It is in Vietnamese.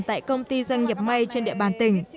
tại công ty doanh nghiệp may trên địa bàn tỉnh